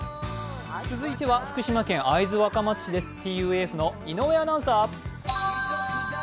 続いては福島県会津若松市です、ＴＵＦの井上アナウンサー。